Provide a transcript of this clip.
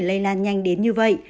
lây lan nhanh đến như vậy